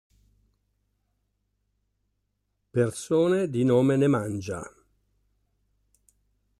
Persone di nome Nemanja